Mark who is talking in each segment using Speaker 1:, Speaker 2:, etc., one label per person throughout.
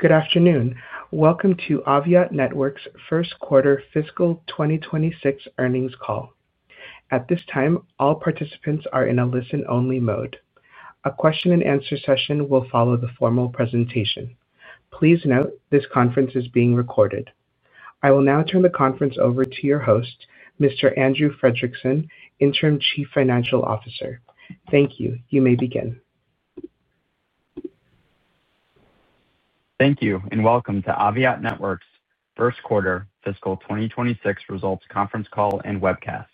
Speaker 1: Good afternoon. Welcome to Aviat Networks' first quarter fiscal 2026 earnings call. At this time, all participants are in a listen-only mode. A question-and-answer session will follow the formal presentation. Please note this conference is being recorded. I will now turn the conference over to your host, Mr. Andrew Fredrickson, Interim Chief Financial Officer. Thank you. You may begin.
Speaker 2: Thank you and welcome to Aviat Networks' first quarter fiscal 2026 results conference call and webcast.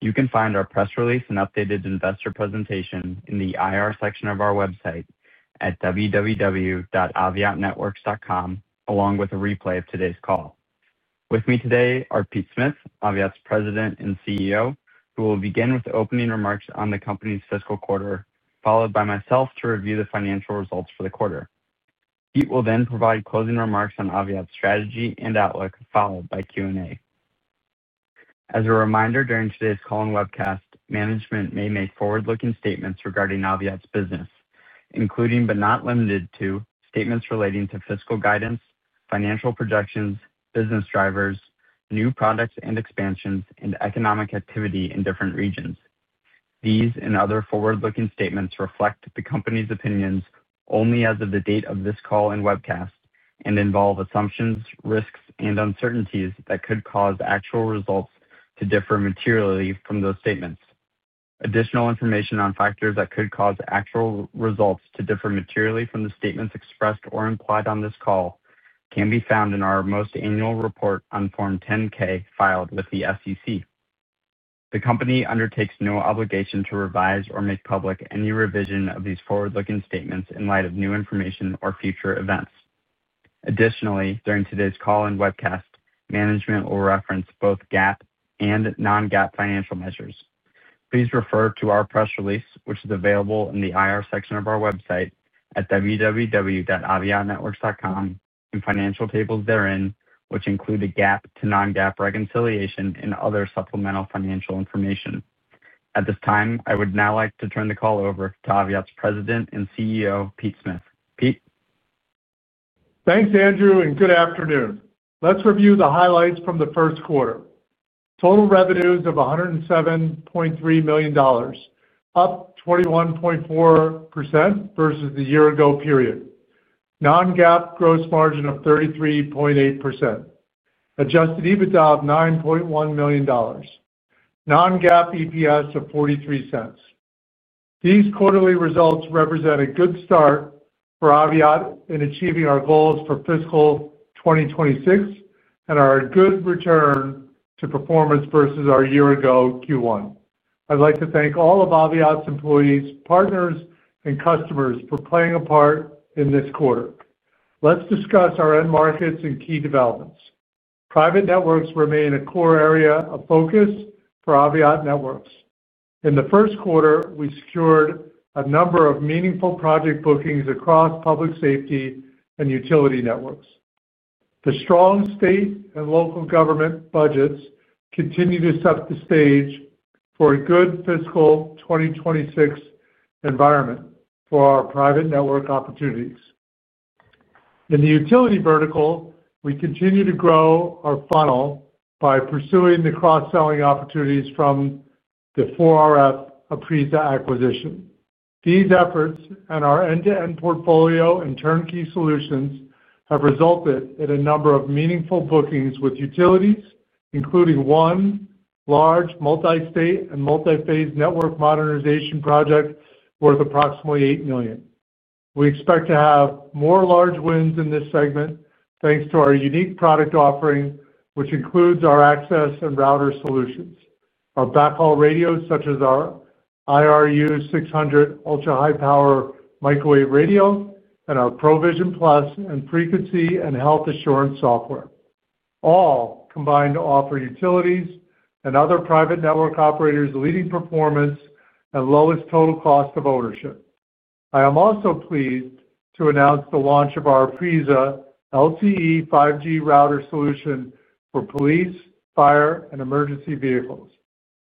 Speaker 2: You can find our press release and updated investor presentation in the IR section of our website at www.aviatnetworks.com, along with a replay of today's call. With me today are Pete Smith, Aviat's President and CEO, who will begin with opening remarks on the company's fiscal quarter, followed by myself to review the financial results for the quarter. Pete will then provide closing remarks on Aviat's strategy and outlook, followed by Q&A. As a reminder, during today's call and webcast, management may make forward-looking statements regarding Aviat's business. Including but not limited to statements relating to fiscal guidance, financial projections, business drivers, new products and expansions, and economic activity in different regions. These and other forward-looking statements reflect the company's opinions only as of the date of this call and webcast and involve assumptions, risks, and uncertainties that could cause actual results to differ materially from those statements. Additional information on factors that could cause actual results to differ materially from the statements expressed or implied on this call can be found in our most annual report on Form 10-K filed with the SEC. The company undertakes no obligation to revise or make public any revision of these forward-looking statements in light of new information or future events. Additionally, during today's call and webcast, management will reference both GAAP and non-GAAP financial measures. Please refer to our press release, which is available in the IR section of our website at www.aviatnetworks.com, and financial tables therein, which include the GAAP to non-GAAP reconciliation and other supplemental financial information. At this time, I would now like to turn the call over to Aviat's President and CEO, Pete Smith. Pete.
Speaker 3: Thanks, Andrew, and good afternoon. Let's review the highlights from the first quarter. Total revenues of $107.3 million. Up 21.4% versus the year-ago period. Non-GAAP gross margin of 33.8%. Adjusted EBITDA of $9.1 million. Non-GAAP EPS of $0.43. These quarterly results represent a good start for Aviat in achieving our goals for fiscal 2026 and are a good return to performance versus our year-ago Q1. I'd like to thank all of Aviat's employees, partners, and customers for playing a part in this quarter. Let's discuss our end markets and key developments. Private networks remain a core area of focus for Aviat Networks. In the first quarter, we secured a number of meaningful project bookings across public safety and utility networks. The strong state and local government budgets continue to set the stage for a good fiscal 2026 environment for our private network opportunities. In the utility vertical, we continue to grow our funnel by pursuing the cross-selling opportunities from the 4RF Apriza acquisition. These efforts and our end-to-end portfolio and turnkey solutions have resulted in a number of meaningful bookings with utilities, including one large multi-state and multi-phase network modernization project worth approximately $8 million. We expect to have more large wins in this segment thanks to our unique product offering, which includes our access and router solutions. Our backhaul radios, such as our IRU 600 ultra high power microwave radio and our ProVision Plus frequency and health assurance software, all combined to offer utilities and other private network operators leading performance at lowest total cost of ownership. I am also pleased to announce the launch of our Apriza LTE/5G router solution for police, fire, and emergency vehicles.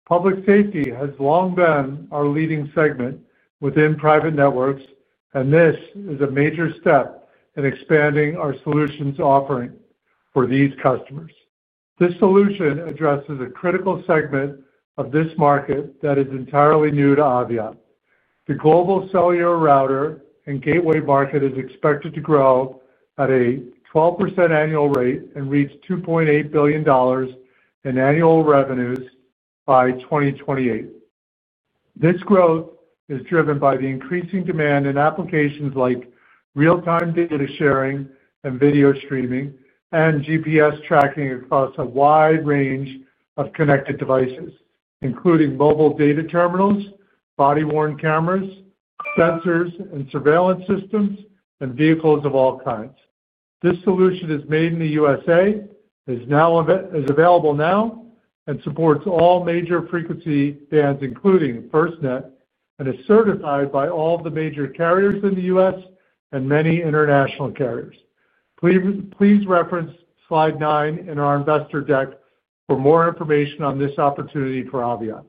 Speaker 3: Public safety has long been our leading segment within private networks, and this is a major step in expanding our solutions offering for these customers. This solution addresses a critical segment of this market that is entirely new to Aviat. The global cellular router and gateway market is expected to grow at a 12% annual rate and reach $2.8 billion in annual revenues by 2028. This growth is driven by the increasing demand and applications like real-time data sharing and video streaming and GPS tracking across a wide range of connected devices, including mobile data terminals, body-worn cameras, sensors and surveillance systems, and vehicles of all kinds. This solution is made in the USA, is available now, and supports all major frequency bands, including FirstNet, and is certified by all of the major carriers in the US and many international carriers. Please reference slide 9 in our investor deck for more information on this opportunity for Aviat.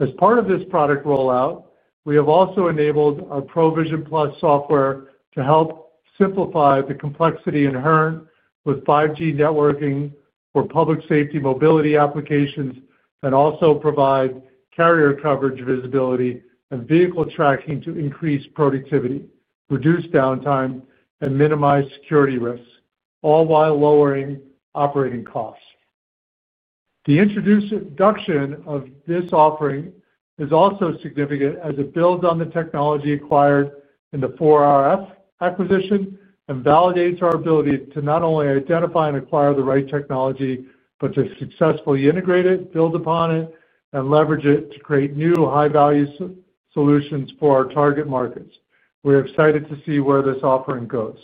Speaker 3: As part of this product rollout, we have also enabled our ProVision Plus software to help simplify the complexity inherent with 5G networking for public safety mobility applications and also provide carrier coverage visibility and vehicle tracking to increase productivity, reduce downtime, and minimize security risks, all while lowering operating costs. The introduction of this offering is also significant as it builds on the technology acquired in the 4RF acquisition and validates our ability to not only identify and acquire the right technology but to successfully integrate it, build upon it, and leverage it to create new high-value solutions for our target markets. We're excited to see where this offering goes.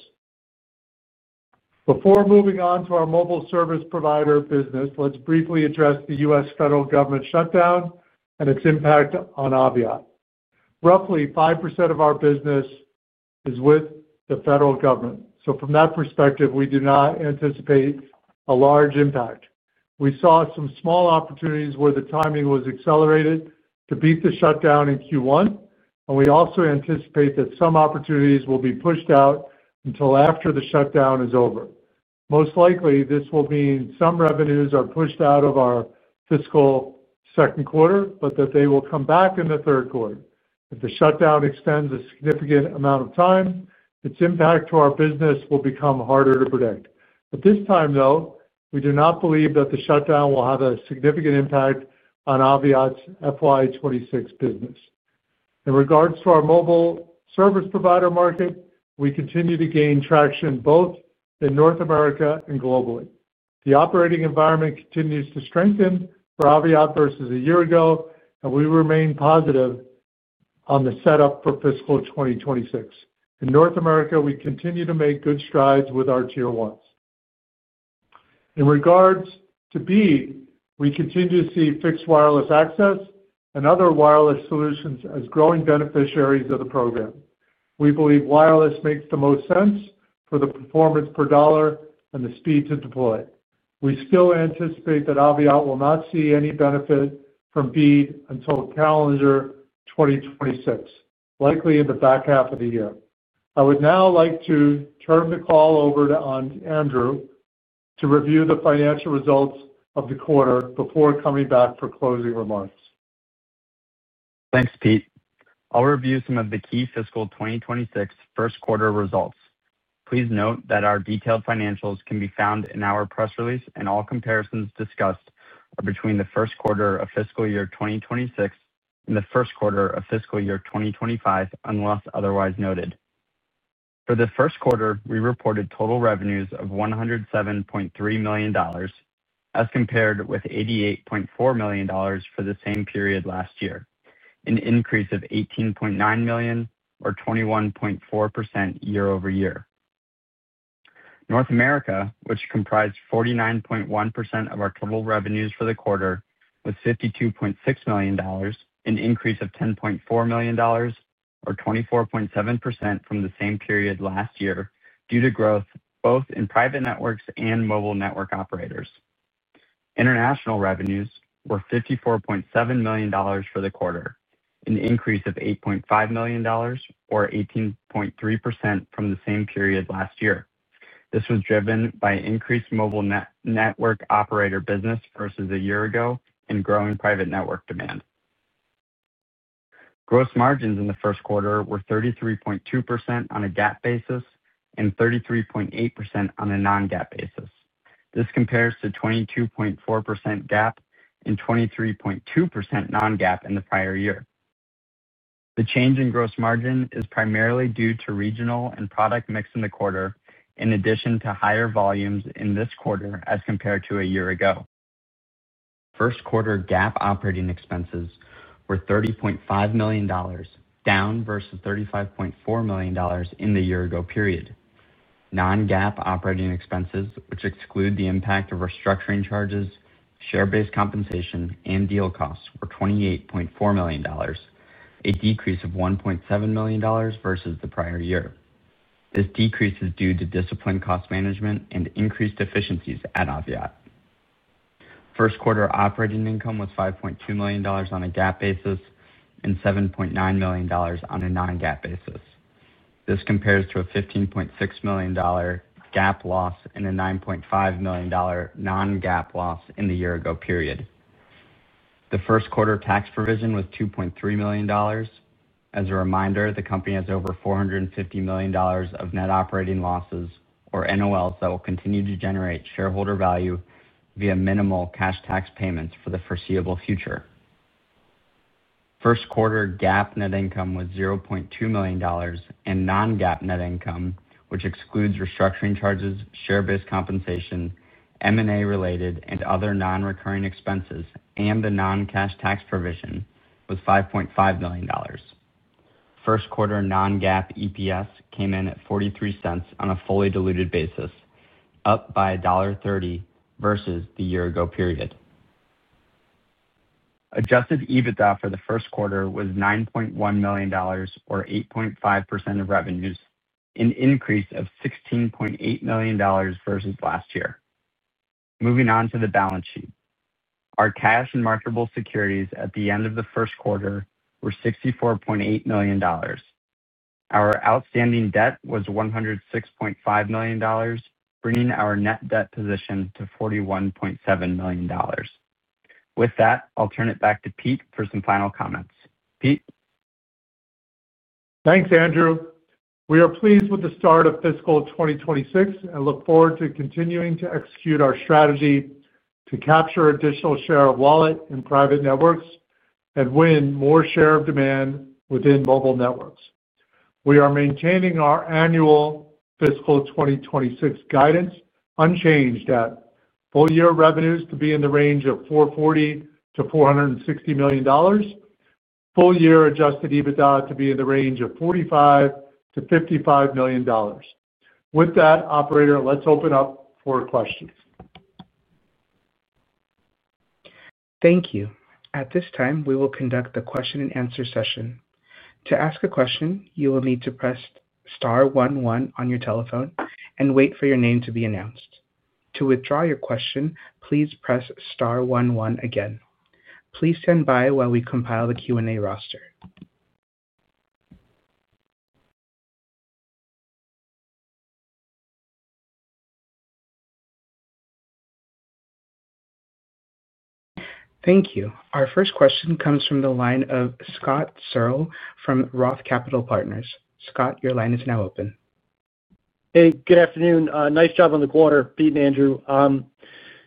Speaker 3: Before moving on to our mobile service provider business, let's briefly address the U.S. federal government shutdown and its impact on Aviat. Roughly 5% of our business is with the federal government. So from that perspective, we do not anticipate a large impact. We saw some small opportunities where the timing was accelerated to beat the shutdown in Q1, and we also anticipate that some opportunities will be pushed out until after the shutdown is over. Most likely, this will mean some revenues are pushed out of our fiscal second quarter, but that they will come back in the third quarter. If the shutdown extends a significant amount of time, its impact to our business will become harder to predict. At this time, though, we do not believe that the shutdown will have a significant impact on Aviat's FY 2026 business. In regards to our mobile service provider market, we continue to gain traction both in North America and globally. The operating environment continues to strengthen for Aviat versus a year ago, and we remain positive on the setup for fiscal 2026. In North America, we continue to make good strides with our tier ones. In regards to BEAD, we continue to see fixed wireless access and other wireless solutions as growing beneficiaries of the program. We believe wireless makes the most sense for the performance per dollar and the speed to deploy. We still anticipate that Aviat will not see any benefit from BEAD until calendar 2026, likely in the back half of the year. I would now like to turn the call over to Andrew to review the financial results of the quarter before coming back for closing remarks.
Speaker 2: Thanks, Pete. I'll review some of the key fiscal 2026 first quarter results. Please note that our detailed financials can be found in our press release, and all comparisons discussed are between the first quarter of fiscal year 2026 and the first quarter of fiscal year 2025, unless otherwise noted. For the first quarter, we reported total revenues of $107.3 million. As compared with $88.4 million for the same period last year, an increase of $18.9 million, or 21.4% year-over-year. North America, which comprised 49.1% of our total revenues for the quarter, was $52.6 million, an increase of $10.4 million, or 24.7% from the same period last year, due to growth both in private networks and mobile network operators. International revenues were $54.7 million for the quarter, an increase of $8.5 million, or 18.3% from the same period last year. This was driven by increased mobile network operator business versus a year ago and growing private network demand. Gross margins in the first quarter were 33.2% on a GAAP basis and 33.8% on a non-GAAP basis. This compares to 22.4% GAAP and 23.2% non-GAAP in the prior year. The change in gross margin is primarily due to regional and product mix in the quarter, in addition to higher volumes in this quarter as compared to a year ago. First quarter GAAP operating expenses were $30.5 million, down versus $35.4 million in the year-ago period. Non-GAAP operating expenses, which exclude the impact of restructuring charges, share-based compensation, and deal costs, were $28.4 million, a decrease of $1.7 million versus the prior year. This decrease is due to disciplined cost management and increased efficiencies at Aviat. First quarter operating income was $5.2 million on a GAAP basis and $7.9 million on a non-GAAP basis. This compares to a $15.6 million GAAP loss and a $9.5 million non-GAAP loss in the year-ago period. The first quarter tax provision was $2.3 million. As a reminder, the company has over $450 million of net operating losses, or NOLs, that will continue to generate shareholder value via minimal cash tax payments for the foreseeable future. First quarter GAAP net income was $0.2 million and non-GAAP net income, which excludes restructuring charges, share-based compensation, M&A-related, and other non-recurring expenses, and the non-cash tax provision was $5.5 million. First quarter non-GAAP EPS came in at $0.43 on a fully diluted basis, up by $1.30 versus the year-ago period. Adjusted EBITDA for the first quarter was $9.1 million, or 8.5% of revenues, an increase of $16.8 million versus last year. Moving on to the balance sheet. Our cash and marketable securities at the end of the first quarter were $64.8 million. Our outstanding debt was $106.5 million, bringing our net debt position to $41.7 million. With that, I'll turn it back to Pete for some final comments. Pete.
Speaker 3: Thanks, Andrew. We are pleased with the start of fiscal 2026 and look forward to continuing to execute our strategy to capture additional share of wallet in private networks and win more share of demand within mobile networks. We are maintaining our annual fiscal 2026 guidance unchanged at full year revenues to be in the range of $440-$460 million. Full year Adjusted EBITDA to be in the range of $45-$55 million. With that, operator, let's open up for questions.
Speaker 1: Thank you. At this time, we will conduct the question-and-answer session. To ask a question, you will need to press star 11 on your telephone and wait for your name to be announced. To withdraw your question, please press star 11 again. Please stand by while we compile the Q&A roster. Thank you. Our first question comes from the line of Scott Searle from Roth Capital Partners. Scott, your line is now open.
Speaker 4: Hey, good afternoon. Nice job on the quarter, Pete and Andrew.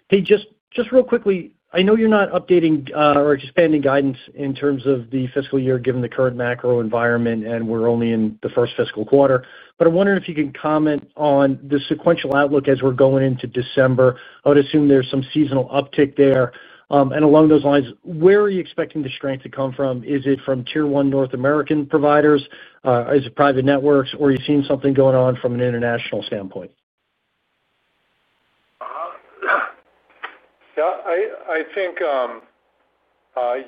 Speaker 4: Hey, just real quickly, I know you're not updating or expanding guidance in terms of the fiscal year given the current macro environment, and we're only in the first fiscal quarter, but I'm wondering if you can comment on the sequential outlook as we're going into December. I would assume there's some seasonal uptick there. And along those lines, where are you expecting the strength to come from? Is it from tier one North American providers, private networks, or are you seeing something going on from an international standpoint?
Speaker 3: Yeah, I think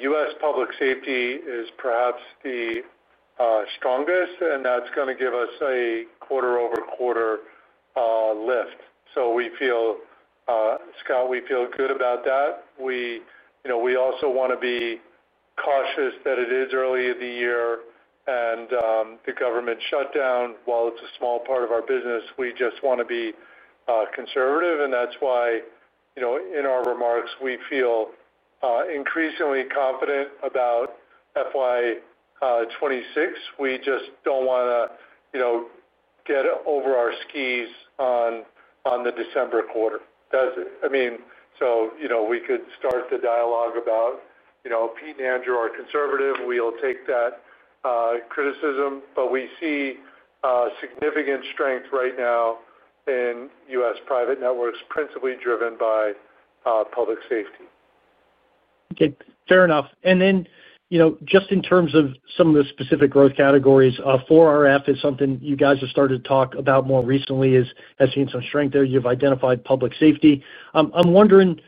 Speaker 3: U.S. public safety is perhaps the strongest, and that's going to give us a quarter-over-quarter lift. So we feel, Scott, we feel good about that. We also want to be cautious that it is early in the year and the government shutdown, while it's a small part of our business, we just want to be conservative. And that's why in our remarks, we feel increasingly confident about FY 2026. We just don't want to get over our skis on the December quarter. I mean, so we could start the dialogue about Pete and Andrew are conservative. We'll take that criticism, but we see significant strength right now in U.S. private networks, principally driven by public safety.
Speaker 4: Okay, fair enough. And then just in terms of some of the specific growth categories, 4RF is something you guys have started to talk about more recently, has seen some strength there. You've identified public safety. I'm wondering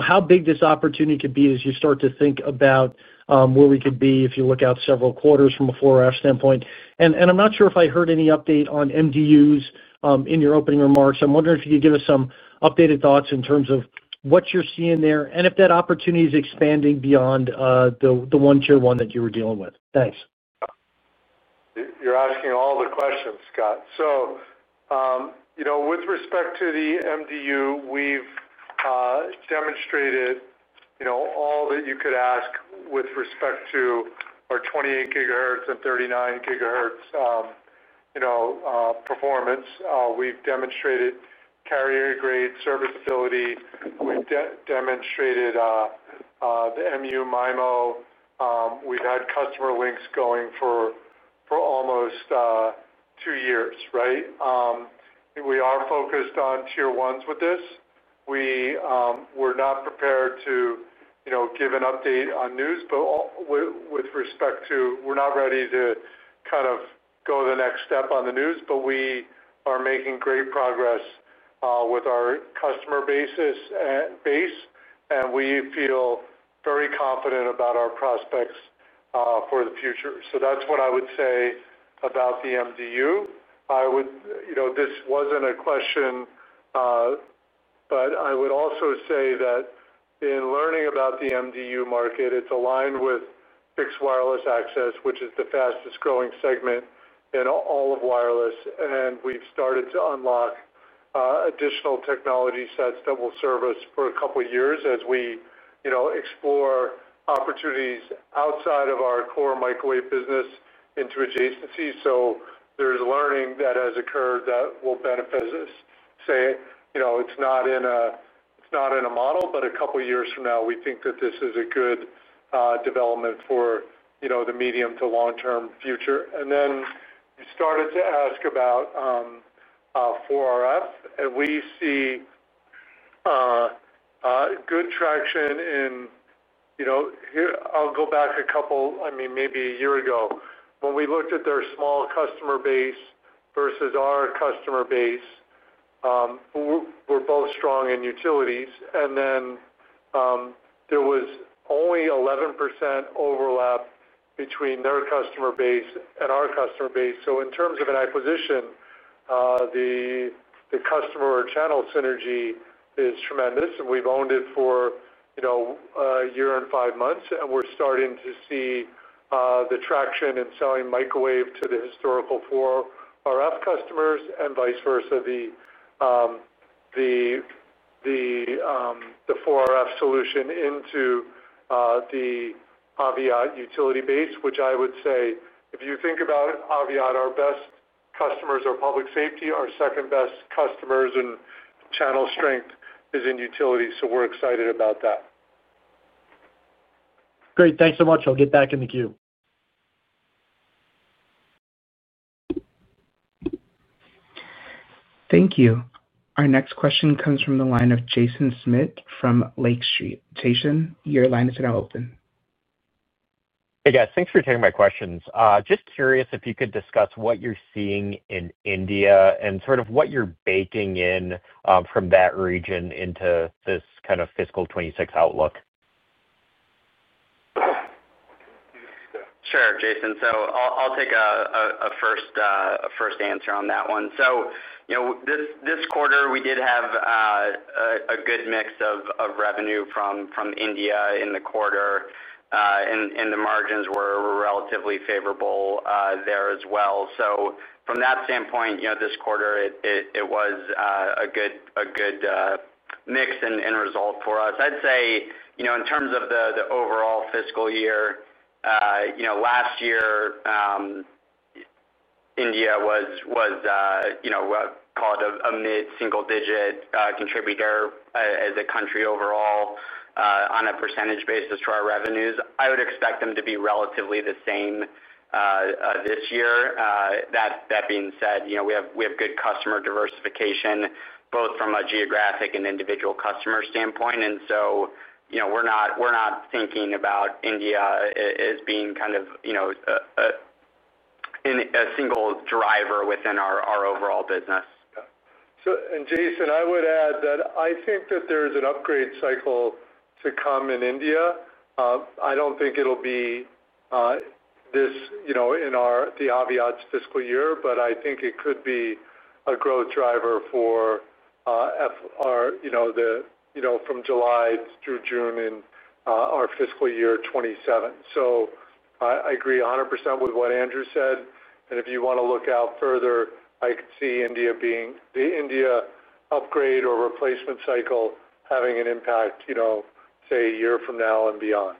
Speaker 4: how big this opportunity could be as you start to think about where we could be if you look out several quarters from a 4RF standpoint. And I'm not sure if I heard any update on MDUs in your opening remarks. I'm wondering if you could give us some updated thoughts in terms of what you're seeing there and if that opportunity is expanding beyond the one-tier one that you were dealing with. Thanks.
Speaker 3: You're asking all the questions, Scott. So with respect to the MDU, we've demonstrated all that you could ask with respect to our 28 gigahertz and 39 gigahertz performance. We've demonstrated the MU MIMO. We've had customer links going for almost two years, right? We are focused on tier ones with this. We're not prepared to give an update on news, but with respect to, we're not ready to kind of go the next step on the news, but we are making great progress with our customer base, and we feel very confident about our prospects for the future. So that's what I would say about the MDU. This wasn't a question, but I would also say that in learning about the MDU market, it's aligned with fixed wireless access, which is the fastest-growing segment in all of wireless. And we've started to unlock additional technology sets that will serve us for a couple of years as we explore opportunities outside of our core microwave business into adjacency. So there's learning that has occurred that will benefit us. So it's not in a model, but a couple of years from now, we think that this is a good development for the medium to long-term future. And then you started to ask about 4RF, and we see good traction in. I'll go back a couple, I mean, maybe a year ago, when we looked at their small customer base versus our customer base. We're both strong in utilities. And then there was only 11% overlap between their customer base and our customer base. So in terms of an acquisition, the customer or channel synergy is tremendous. We've owned it for a year and five months, and we're starting to see the traction in selling microwave to the historical 4RF customers and vice versa. The 4RF solution into the Aviat utility base, which I would say, if you think about Aviat, our best customers are public safety. Our second best customers and channel strength is in utility. So we're excited about that.
Speaker 4: Great. Thanks so much. I'll get back in the queue.
Speaker 1: Thank you. Our next question comes from the line of Jason Smith from Lake Street. Jason, your line is now open.
Speaker 5: Hey, guys. Thanks for taking my questions. Just curious if you could discuss what you're seeing in India and sort of what you're baking in from that region into this kind of fiscal 2026 outlook?
Speaker 2: Sure, Jason. So, I'll take a first answer on that one. So, this quarter, we did have a good mix of revenue from India in the quarter. And the margins were relatively favorable there as well. So from that standpoint, this quarter, it was a good mix and result for us. I'd say in terms of the overall fiscal year, last year, India was called a mid-single-digit contributor as a country overall on a percentage basis for our revenues. I would expect them to be relatively the same this year. That being said, we have good customer diversification, both from a geographic and individual customer standpoint. And so we're not thinking about India as being kind of a single driver within our overall business.
Speaker 3: And Jason, I would add that I think that there's an upgrade cycle to come in India. I don't think it'll be this in Aviat's fiscal year, but I think it could be a growth driver for from July through June in our fiscal year 2027. So I agree 100% with what Andrew said. And if you want to look out further, I could see India being the India upgrade or replacement cycle having an impact, say, a year from now and beyond.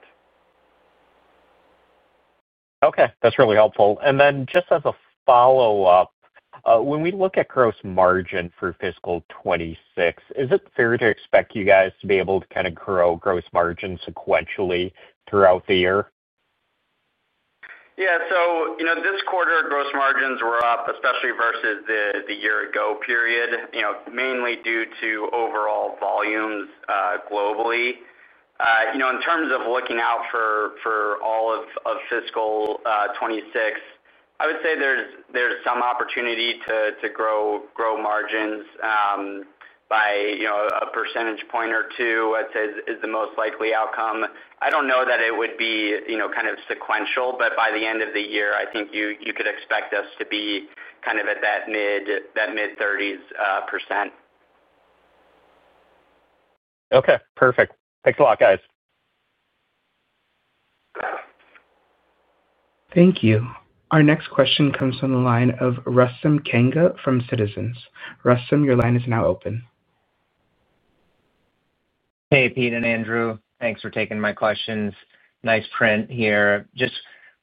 Speaker 5: Okay. That's really helpful. And then just as a follow-up, when we look at gross margin for fiscal 2026, is it fair to expect you guys to be able to kind of grow gross margin sequentially throughout the year?
Speaker 2: Yeah. So this quarter, gross margins were up, especially versus the year-ago period, mainly due to overall volumes globally. In terms of looking out for all of fiscal 2026, I would say there's some opportunity to grow margins. By a percentage point or two, I'd say, is the most likely outcome. I don't know that it would be kind of sequential, but by the end of the year, I think you could expect us to be kind of at that mid-30s%.
Speaker 5: Okay. Perfect. Thanks a lot, guys.
Speaker 1: Thank you. Our next question comes from the line of Rustam Kanga from Citizens. Rustam, your line is now open.
Speaker 6: Hey, Pete and Andrew. Thanks for taking my questions. Nice print here. Just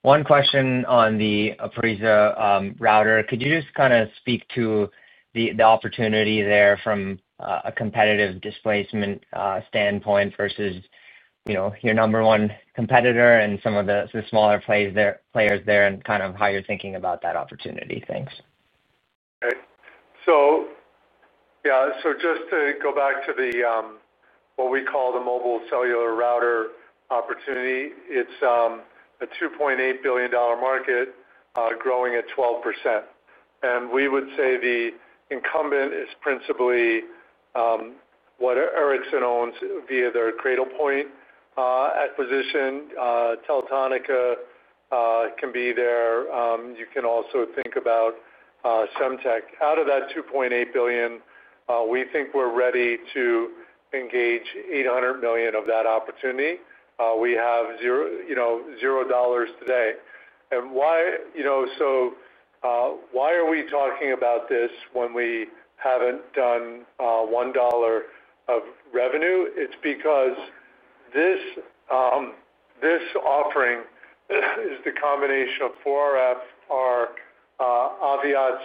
Speaker 6: one question on the Apriza router. Could you just kind of speak to the opportunity there from a competitive displacement standpoint versus your number one competitor and some of the smaller players there and kind of how you're thinking about that opportunity? Thanks.
Speaker 3: Okay. So. Yeah. So just to go back to what we call the mobile cellular router opportunity, it's a $2.8 billion market growing at 12%. And we would say the incumbent is principally what Ericsson owns via their Cradlepoint acquisition. Teltonika can be there. You can also think about Semtech. Out of that $2.8 billion, we think we're ready to engage $800 million of that opportunity. We have $0 today. And so why are we talking about this when we haven't done $1 of revenue? It's because this offering is the combination of 4RF, our Aviat's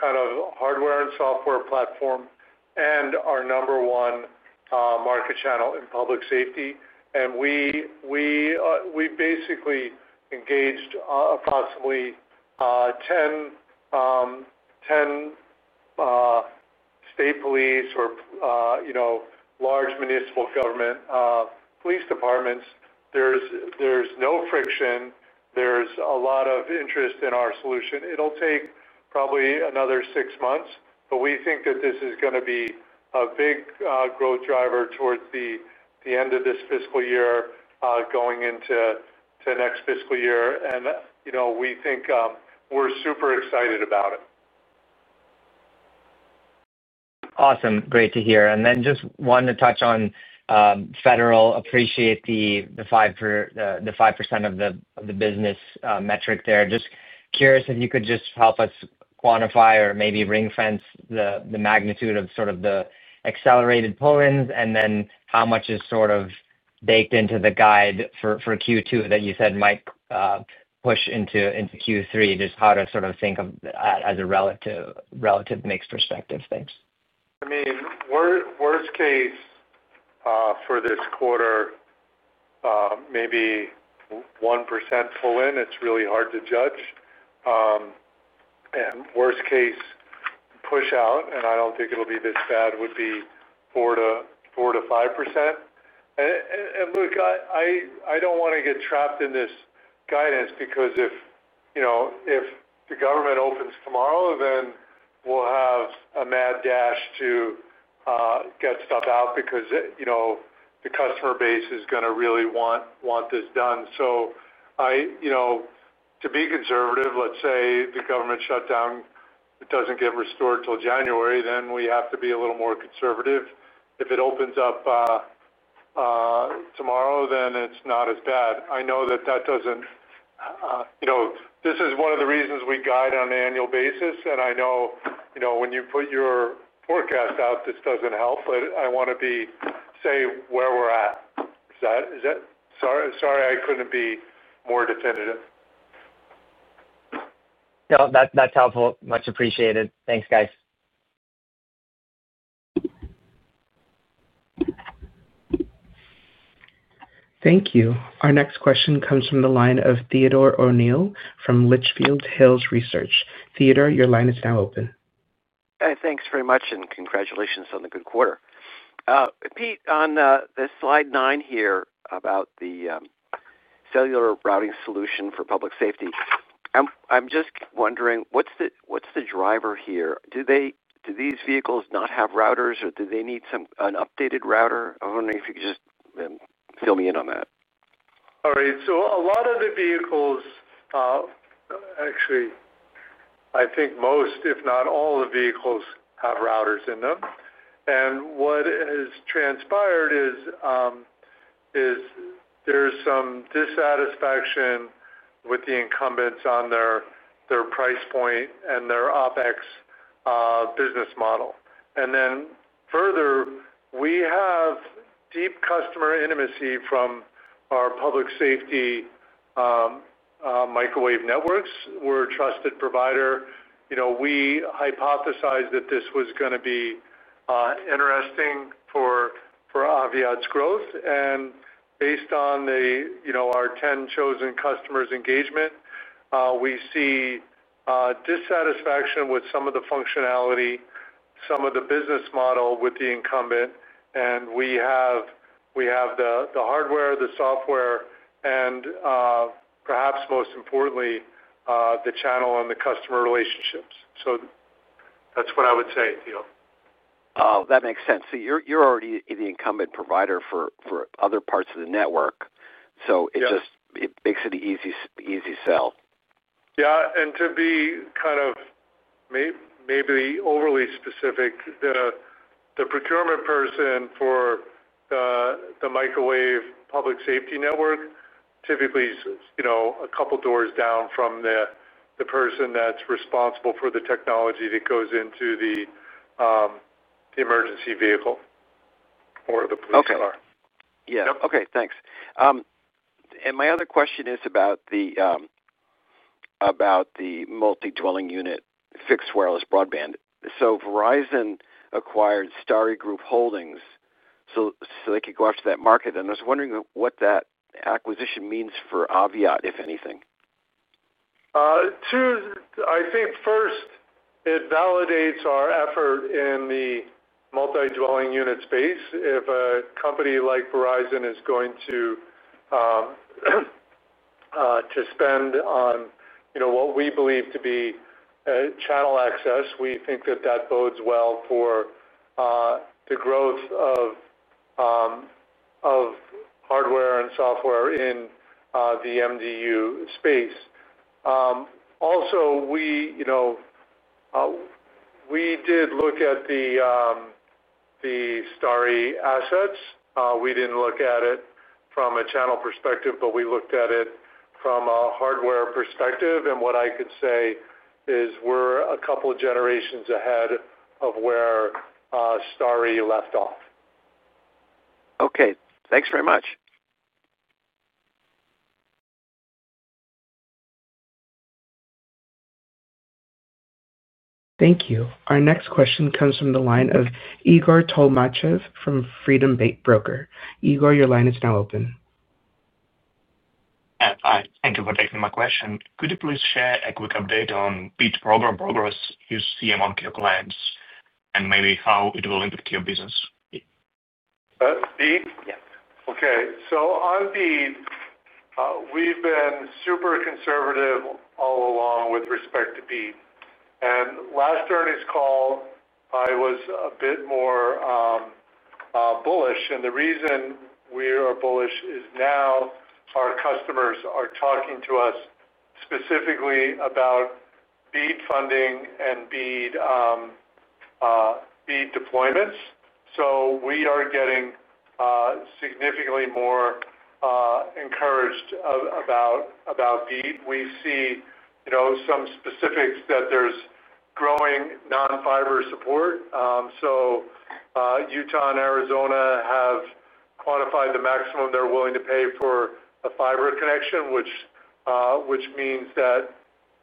Speaker 3: kind of hardware and software platform, and our number one market channel in public safety. And we basically engaged approximately 10 state police or large municipal government police departments. There's no friction. There's a lot of interest in our solution. It'll take probably another six months, but we think that this is going to be a big growth driver towards the end of this fiscal year, going into the next fiscal year. And we think we're super excited about it.
Speaker 6: Awesome. Great to hear. And then just wanted to touch on federal. Appreciate the 5% of the business metric there. Just curious if you could just help us quantify or maybe ring-fence the magnitude of sort of the accelerated pull-ins and then how much is sort of baked into the guide for Q2 that you said might push into Q3, just how to sort of think of that as a relative mixed perspective. Thanks.
Speaker 3: I mean, worst case for this quarter. Maybe 1% pull-in, it's really hard to judge. And worst case push-out, and I don't think it'll be this bad, would be 4%-5%. And look, I don't want to get trapped in this guidance because if the government opens tomorrow, then we'll have a mad dash to get stuff out because the customer base is going to really want this done. So to be conservative, let's say the government shutdown doesn't get restored till January, then we have to be a little more conservative. If it opens up tomorrow, then it's not as bad. I know that that doesn't. This is one of the reasons we guide on an annual basis. And I know when you put your forecast out, this doesn't help, but I want to say where we're at. Is that. Sorry, I couldn't be more definitive.
Speaker 6: No, that's helpful. Much appreciated. Thanks, guys.
Speaker 1: Thank you. Our next question comes from the line of Theodore O'Neill from Litchfield Hills Research. Theodore, your line is now open.
Speaker 7: Hey, thanks very much, and congratulations on the good quarter. Pete, on this slide nine here about the cellular routing solution for public safety, I'm just wondering, what's the driver here? Do these vehicles not have routers, or do they need an updated router? I wonder if you could just fill me in on that.
Speaker 3: All right. So a lot of the vehicles, actually, I think most, if not all, the vehicles have routers in them, and what has transpired is there's some dissatisfaction with the incumbents on their price point and their OpEx business model. And then further, we have deep customer intimacy from our public safety microwave networks. We're a trusted provider. We hypothesized that this was going to be interesting for Aviat's growth, and based on our 10 chosen customers engagement, we see dissatisfaction with some of the functionality, some of the business model with the incumbent. And we have the hardware, the software, and, perhaps most importantly, the channel and the customer relationships. So that's what I would say, Theo.
Speaker 7: Oh, that makes sense. So you're already the incumbent provider for other parts of the network. So it makes it an easy sell.
Speaker 3: Yeah. And to be kind of maybe overly specific, the procurement person for the microwave public safety network typically is a couple of doors down from the person that's responsible for the technology that goes into the emergency vehicle or the police car.
Speaker 7: Okay. Yeah. Okay. Thanks. And my other question is about the multi-dwelling unit fixed wireless broadband. So Verizon acquired Starry Group Holdings. So they could go after that market. And I was wondering what that acquisition means for Aviat, if anything.
Speaker 3: I think first, it validates our effort in the multi-dwelling unit space. If a company like Verizon is going to spend on what we believe to be channel access, we think that that bodes well for the growth of hardware and software in the MDU space. Also, we did look at the Starry assets. We didn't look at it from a channel perspective, but we looked at it from a hardware perspective, and what I could say is we're a couple of generations ahead of where Starry left off.
Speaker 7: Okay. Thanks very much.
Speaker 1: Thank you. Our next question comes from the line of Egor Tolmachev from Freedom Bank Brokers. Igor, your line is now open.
Speaker 8: Hi. Thank you for taking my question. Could you please share a quick update on Pete's program progress you see among your clients and maybe how it will impact your business?
Speaker 3: Pete?
Speaker 8: Yes.
Speaker 3: Okay. So on BEAD, we've been super conservative all along with respect to BEAD, and last earnings call, I was a bit more bullish. The reason we are bullish is now our customers are talking to us specifically about BEAD funding and BEAD deployments. So we are getting significantly more encouraged about BEAD. We see some specifics that there's growing non-fiber support. So Utah and Arizona have quantified the maximum they're willing to pay for a fiber connection, which means that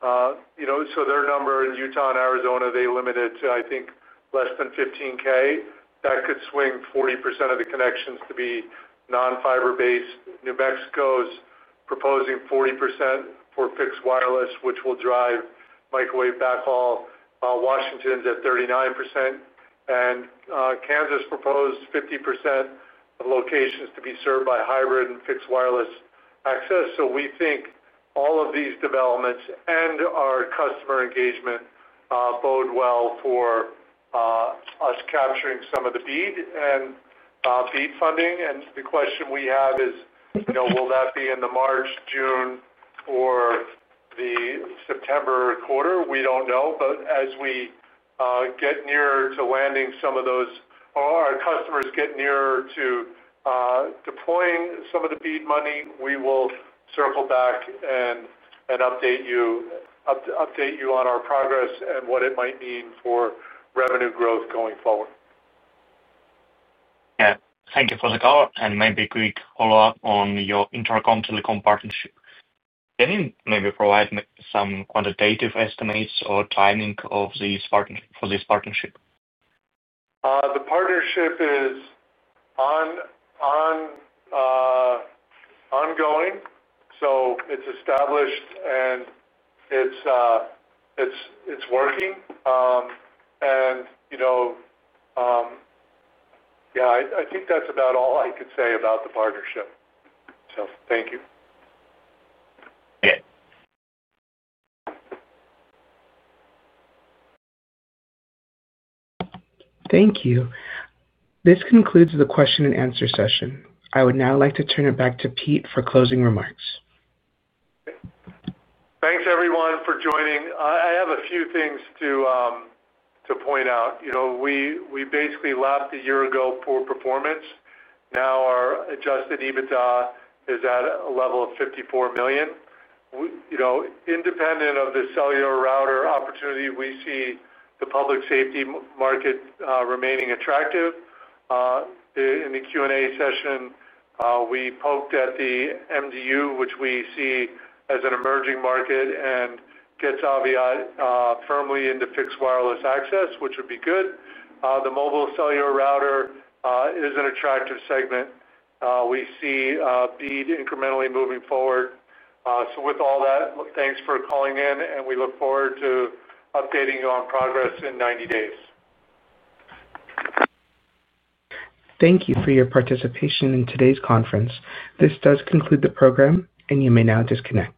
Speaker 3: so their number in Utah and Arizona, they limited to, I think, less than $15,000. That could swing 40% of the connections to be non-fiber-based. New Mexico's proposing 40% for fixed wireless, which will drive microwave backhaul. Washington's at 39%. Kansas proposed 50% of locations to be served by hybrid and fixed wireless access. So we think all of these developments and our customer engagement bode well for us capturing some of the BEAD and BEAD funding. The question we have is will that be in the March, June, or the September quarter? We don't know. But as we get nearer to landing some of those, or our customers get nearer to deploying some of the BEAD money, we will circle back and update you on our progress and what it might mean for revenue growth going forward.
Speaker 8: Yeah. Thank you for the call. And maybe a quick follow-up on your Intercomp Telecom partnership. Can you maybe provide some quantitative estimates or timing for this partnership?
Speaker 3: The partnership is ongoing. So it's established, and it's working, and yeah, I think that's about all I could say about the partnership. So thank you.
Speaker 8: Okay.
Speaker 1: Thank you. This concludes the question and answer session. I would now like to turn it back to Pete for closing remarks.
Speaker 3: Thanks, everyone, for joining. I have a few things to point out. We basically lapped a year ago poor performance. Now our Adjusted EBITDA is at a level of $54 million. Independent of the cellular router opportunity, we see the public safety market remaining attractive. In the Q&A session, we poked at the MDU, which we see as an emerging market and gets Aviat firmly into fixed wireless access, which would be good. The mobile cellular router is an attractive segment. We see BEAD incrementally moving forward. So with all that, thanks for calling in, and we look forward to updating you on progress in 90 days.
Speaker 1: Thank you for your participation in today's conference. This does conclude the program, and you may now disconnect.